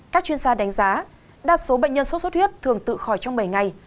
các chuyên gia đánh giá đa số bệnh nhân sốt xuất huyết thường tự khỏi trong bảy ngày